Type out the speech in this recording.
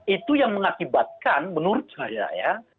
itu yang mengakibatkan menurut saya ya